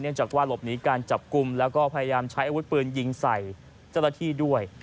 จากว่าหลบหนีการจับกลุ่มแล้วก็พยายามใช้อาวุธปืนยิงใส่เจ้าหน้าที่ด้วย